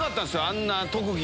あんな特技！